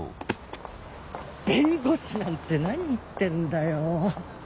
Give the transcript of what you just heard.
弁護士なんて何言ってんだよ。